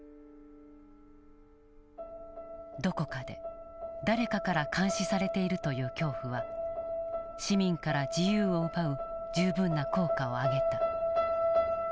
どこかで誰かから監視されているという恐怖は市民から自由を奪う十分な効果を上げた。